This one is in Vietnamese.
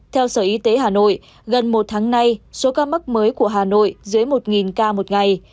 theo sở y tế hà nội gần một tháng nay số ca mắc mới của hà nội dưới một ca một ngày